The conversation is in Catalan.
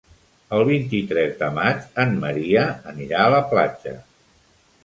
El vint-i-tres de maig en Maria anirà a la platja.